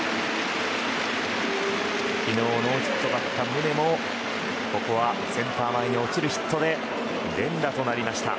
昨日ノーヒットだった宗もここはセンター前に落ちるヒットで連打となりました。